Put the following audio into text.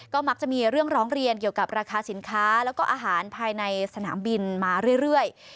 ก็มักจะมีเรื่องร้องเรียนเกี่ยวกับราคาสินค้าแล้วก็อาหารภายในสนามบินมาเรื่อย